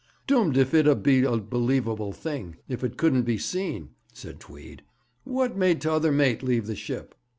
'Doomed if it 'ud be a believable thing, if it couldn't be seen,' said Tweed. 'What made t'other mate leave the ship?'